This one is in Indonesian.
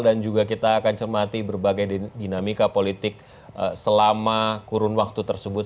dan juga kita akan cermati berbagai dinamika politik selama kurun waktu tersebut